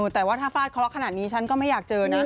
แต่ว่าถ้าฟาดเคราะห์ขนาดนี้ฉันก็ไม่อยากเจอนะ